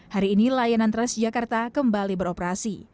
hari ini layanan transjakarta kembali beroperasi